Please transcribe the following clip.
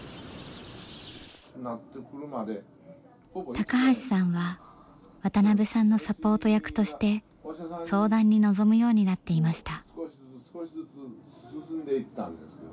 高橋さんは渡邊さんのサポート役として相談に臨むようになっていました。